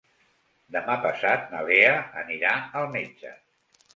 Demà passat na Lea anirà al metge.